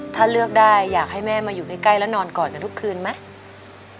ถ้าเลือกได้อยากให้แม่มาอยู่ใกล้แล้วนอนกอดกันทุกคืนไหม